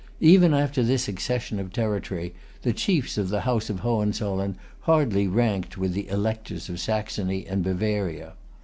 Even after this accession of territory, the chiefs of the House of Hohenzollern hardly ranked with the Electors of Saxony and Bavaria.